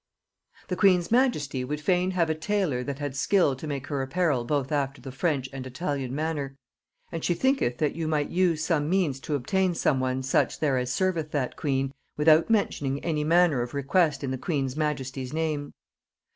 "...The queen's majesty would fain have a taylor that had skill to make her apparel both after the French and Italian manner; and she thinketh that you might use some means to obtain some one such there as serveth that queen, without mentioning any manner of request in the queen's majesty's name.